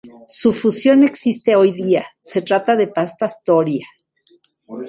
Su fusión existe hoy día, se trata de pastas "Doria".